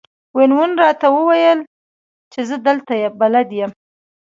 وین وون راته وویل چې زه دلته بلد یم.